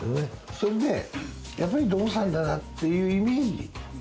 それでやっぱりドンさんだなというイメージ。